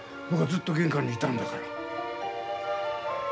僕はずっと玄関にいたんだから。